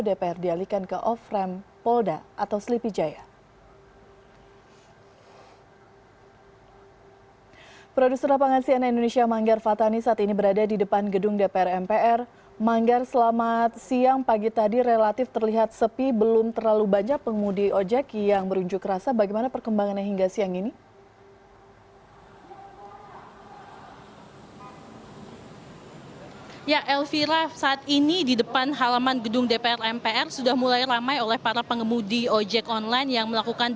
kepada detik com di lantas polda metro jaya kombesi yusuf menyatakan penutupan arus salu lintas di depan gedung dpr mpr akan bersifat situasional selama aksi berlangsung